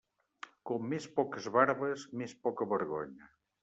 Com més poques barbes, més poca vergonya.